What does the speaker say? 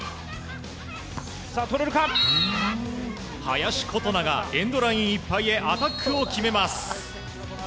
林琴奈がエンドラインいっぱいへアタックを決めます。